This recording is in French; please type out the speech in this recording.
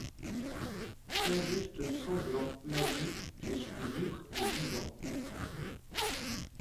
Saint-Just sanglant m’a dit : Je suis libre et vivant.